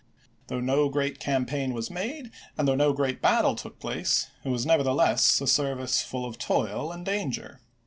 Though no great campaign was made, and though no great battle took place, it was neverthe less a service full of toil and danger.